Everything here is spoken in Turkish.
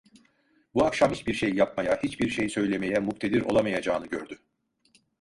Bu akşam hiçbir şey yapmaya, hiçbir şey söylemeye muktedir olamayacağını gördü.